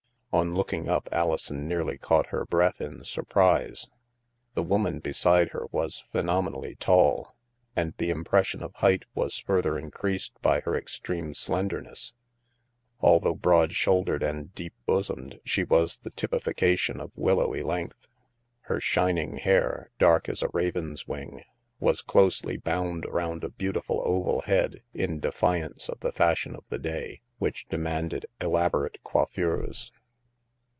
On looking up, Alison nearly caught her breath in sur prise. The woman beside her was phenomenally tall, and the impression of height was further increased by her extreme slendemess. Although broad shoul dered and deep bosomed, she was the typification of willowy length. Her shining hair, dark as a raven's wing, was closely bound around a beautiful oval head in defiance of the fashion of the day, which demanded elaborate coiffures.